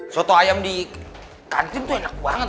soto ayam di kancing tuh enak banget